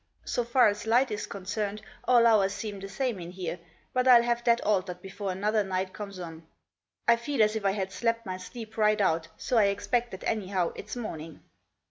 So far as light is concerned all hours seem the same in here, but Til have that altered before another night comes on. I feel as if I had slept my sleep right out, so I expect that anyhow it's morning."